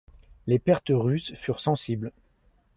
Les pertes russes furent sensibles.